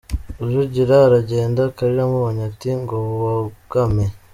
Rujugira aragenda, Kalira amubonye ati: «Ngo wugame».